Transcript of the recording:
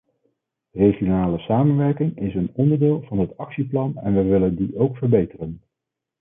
Regionale samenwerking is een onderdeel van het actieplan en wij willen die ook verbeteren.